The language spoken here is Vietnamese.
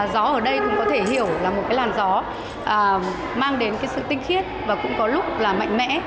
gió ở đây cũng có thể hiểu là một cái làn gió mang đến cái sự tinh khiết và cũng có lúc là mạnh mẽ